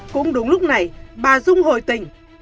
cũng đúng lúc này bà dung hồi tỉnh